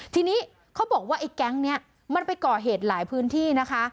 ทีนี้เขาบอกว่าไอ้แก๊งนี้มันไปก่อเหตุหลายพื้นที่นะคะ